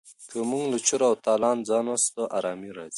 که موږ له چور او تالان ځان وساتو ارامي راځي.